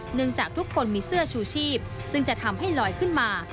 จากทุกคนมีเสื้อชูชีพซึ่งจะทำให้ลอยขึ้นมา